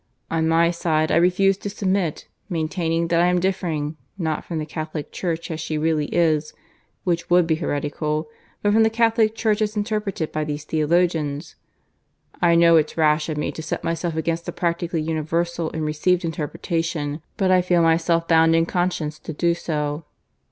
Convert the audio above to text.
On my side, I refuse to submit, maintaining that I am differing, not from the Catholic Church as she really is, (which would be heretical), but from the Catholic Church as interpreted by these theologians. I know it's rash of me to set myself against a practically universal and received interpretation; but I feel myself bound in conscience to do so.